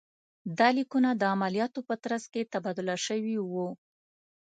دا لیکونه د عملیاتو په ترڅ کې تبادله شوي وو.